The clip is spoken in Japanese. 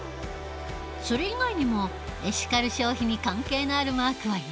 それ以外にもエシカル消費に関係のあるマークはいろいろある。